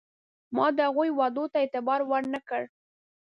ما د هغوی وعدو ته اعتبار ور نه کړ.